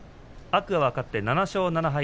天空海、勝って７勝７敗。